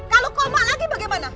kalau koma lagi bagaimana